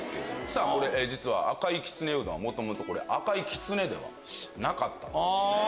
実は赤いきつねうどんは元々赤いきつねではなかったんです。